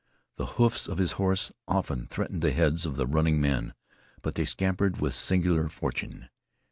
The hoofs of his horse often threatened the heads of the running men, but they scampered with singular fortune.